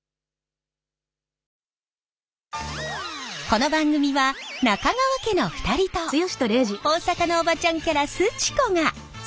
この番組は中川家の２人と大阪のおばちゃんキャラすち子が